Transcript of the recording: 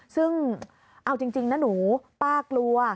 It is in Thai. ซึ่งเอาจริงนะหนูป้ากลัว